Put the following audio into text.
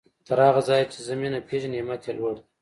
تر هغه ځايه چې زه مينه پېژنم همت يې لوړ دی.